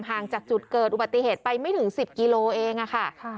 ห่างจากจุดเกิดอุบัติเหตุไปไม่ถึง๑๐กิโลเองค่ะ